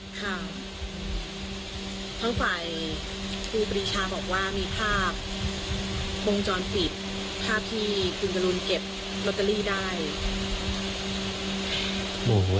คุณปฏิชาบอกว่ามีภาพวงจรฟิตภาพที่คุณบรรลุณเก็บลอตเตอรี่ได้